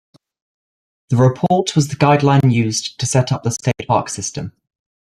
The report was the guideline used to set up the state park system.